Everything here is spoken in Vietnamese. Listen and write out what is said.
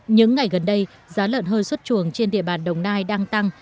những ngày gần đây giá lợn hơi xuất chuồng trên địa bàn đồng nai đang tăng